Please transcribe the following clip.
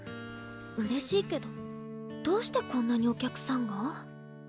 うれしいけどどうしてこんなにお客さんが？